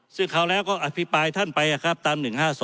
ซึ่งคราวแล้วก็อภิปรายท่านไปตาม๑๕๒